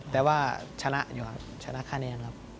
แต่ว่าชนะอยู่ครับชนะค่าแนนครับ